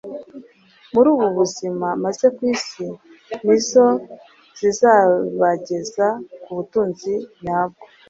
muri ubu buzima maze ku isi. Ni zo zizabageza ku butunzi nyabwo,